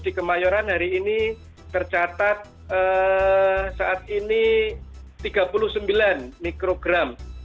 di kemayoran hari ini tercatat saat ini tiga puluh sembilan mikrogram